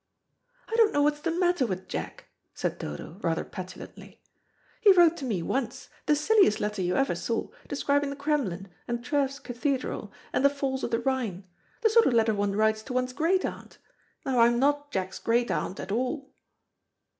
"I don't know what's the matter with Jack," said Dodo, rather petulantly. "He wrote to me once, the silliest letter you ever saw, describing the Kremlin, and Trèves Cathedral, and the falls of the Rhine. The sort of letter one writes to one's great aunt. Now I'm not Jack's great aunt at all."